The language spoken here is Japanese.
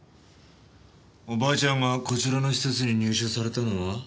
おばあちゃんがこちらの施設に入所されたのは？